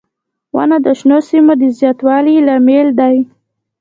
• ونه د شنو سیمو د زیاتوالي لامل دی.